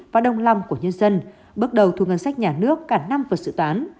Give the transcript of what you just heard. và đồng lòng của nhân dân bước đầu thu ngân sách nhà nước cả năm vật sự toán